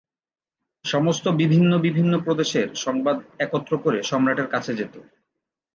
সমস্ত বিভিন্ন বিভিন্ন প্রদেশের সংবাদ একত্র করে সম্রাটের কাছে যেত।